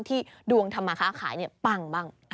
ที่ดวงทำมาค้าขายเนี่ยปั้งบ้าง